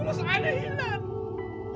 masih ada yang hilang